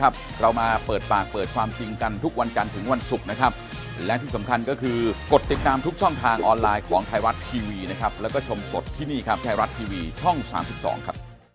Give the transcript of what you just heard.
แก้ไขฐานการณ์ต่างตอนนี้แก้ไขได้ปล่อยแล้วครับไม่มีปัญหาครับ